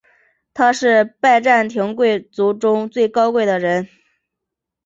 他是拜占庭贵族中最高贵的人。